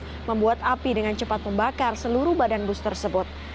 yang membuat api dengan cepat membakar seluruh badan bus tersebut